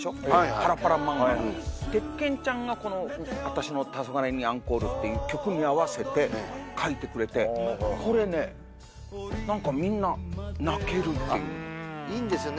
パラパラ漫画の鉄拳ちゃんがこの私の「黄昏にアンコール」っていう曲に合わせて描いてくれてこれね何かみんな「泣ける」って言ういいんですよね